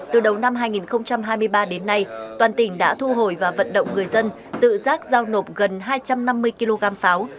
từ đầu năm hai nghìn hai mươi ba đến nay toàn tỉnh đã thu hồi và vận động người dân tự giác giao nộp gần hai trăm năm mươi kg pháo